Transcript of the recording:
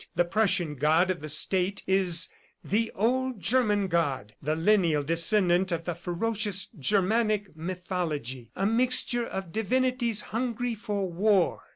The Prussian God of the State is 'the old German God,' the lineal descendant of the ferocious Germanic mythology, a mixture of divinities hungry for war."